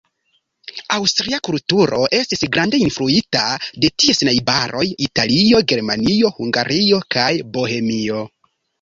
Aŭstria kulturo estis grande influita de ties najbaroj, Italio, Germanio, Hungario kaj Bohemio.